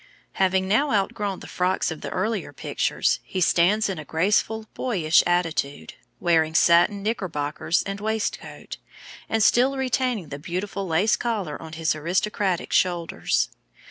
Having now outgrown the frocks of the earlier pictures, he stands in a graceful boyish attitude, wearing satin knickerbockers and waistcoat, and still retaining the beautiful lace collar on his aristocratic shoulders.